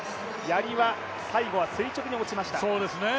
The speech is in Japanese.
やりは最後は垂直に落ちました。